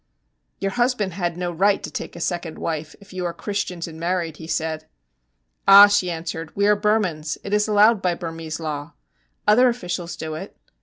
'Your husband had no right to take a second wife, if you are Christians and married,' he said. 'Ah,' she answered, 'we are Burmans; it is allowed by Burmese law. Other officials do it.